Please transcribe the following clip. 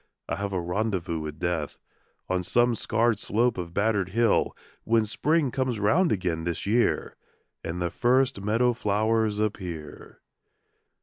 I have a rendezvous with Death On some scarred slope of battered hill, When Spring comes round again this year And the first meadow flowers appear.